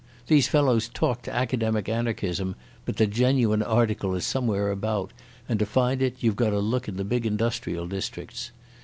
These fellows talked academic anarchism, but the genuine article is somewhere about and to find it you've got to look in the big industrial districts.